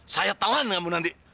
saya telan kamu nanti